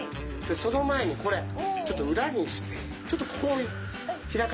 その前にこれちょっと裏にしてちょっとここを開かせてもらう。